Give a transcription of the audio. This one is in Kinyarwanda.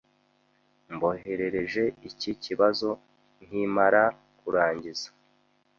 Mboherereje iki kibazo nkimara kurangiza